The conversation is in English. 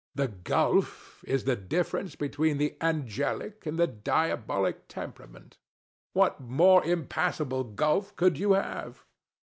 The gulf is the difference between the angelic and the diabolic temperament. What more impassable gulf could you have?